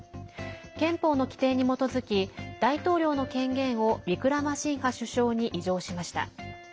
憲法の規定に基づき大統領の権限をウィクラマシンハ首相に委譲しました。